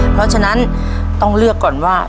เพราะฉะนั้นต้องเลือกก่อนว่า